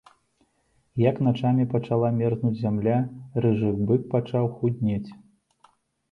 Як начамі пачала мерзнуць зямля, рыжы бык пачаў худнець.